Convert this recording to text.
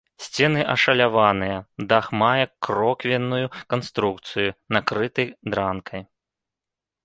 Сцены ашаляваныя, дах мае кроквенную канструкцыю, накрыты дранкай.